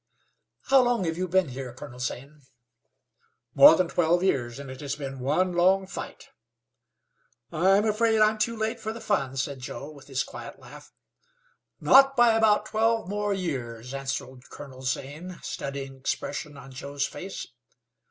"How long have you been here, Colonel Zane?" "More than twelve years, and it has been one long fight." "I'm afraid I'm too late for the fun," said Joe, with his quiet laugh. "Not by about twelve more years," answered Colonel Zane, studying the expression on Joe's face.